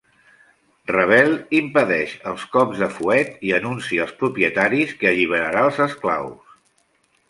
Rebel, impedeix els cops de fuet i anuncia als propietaris que alliberarà els esclaus.